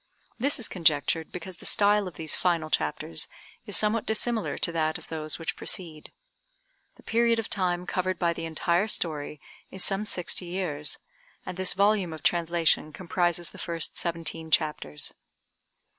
This is conjectured because the style of these final chapters is somewhat dissimilar to that of those which precede. The period of time covered by the entire story is some sixty years, and this volume of translation comprises the first seventeen chapters.